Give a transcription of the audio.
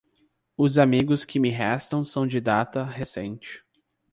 Os amigos que me restam são de data recente.